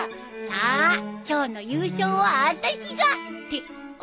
さあ今日の優勝はあたしがってあれ？